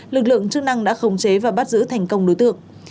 lực lượng chức năng đã khống chế và bắt giữ thành công đối tượng